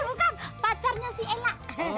eh bukan pacarnya si ella